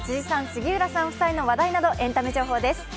杉浦さん夫妻の話題などエンタメ情報です。